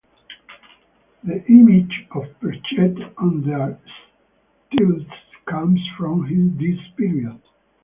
The image of perched on their stilts comes from this period.